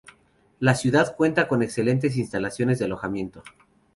La ciudad cuenta con excelentes instalaciones de alojamiento.